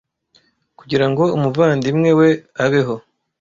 Kugira ngo umuvandimwe we abeho